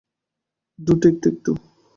দুটোই একটু একটু।